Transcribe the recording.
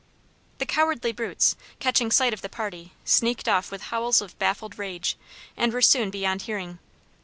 The cowardly brutes, catching sight of the party, sneaked off with howls of baffled rage, and were soon beyond hearing.